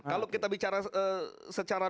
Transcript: kalau kita bicara secara